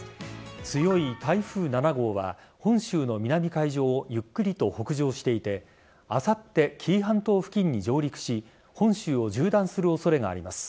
強い台風７号は本州の南海上をゆっくりと北上していてあさって、紀伊半島付近に上陸し本州を縦断する恐れがあります。